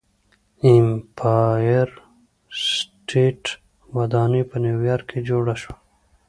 د ایمپایر سټیټ ودانۍ په نیویارک کې جوړه شوه.